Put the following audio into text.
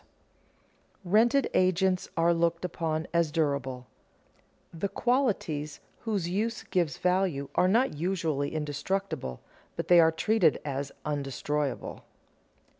[Sidenote: Rented agents are looked upon as durable] The qualities whose use gives value are not usually indestructible, but they are treated as undestroyed.